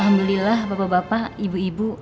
alhamdulillah bapak bapak ibu ibu